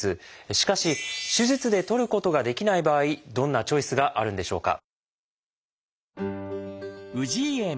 しかし手術でとることができない場合どんなチョイスがあるんでしょうか？